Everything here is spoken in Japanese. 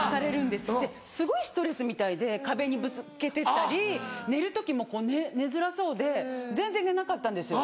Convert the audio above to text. ですごいストレスみたいで壁にぶつけてたり寝る時も寝づらそうで全然寝なかったんですよ。